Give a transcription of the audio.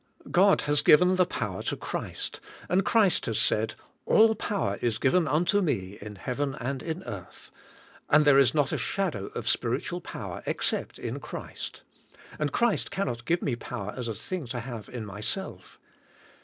God has given the power to Christ, and Christ has said, "All power is given unto Me, in heaven and in earth," and there is not a shadow of spiritual power except in Christ, and Christ cannot give me power, as a thing to have in myself.